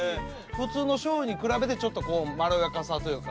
普通のしょうゆに比べてちょっとこうまろやかさというか。